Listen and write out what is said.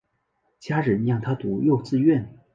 家人让她读幼稚园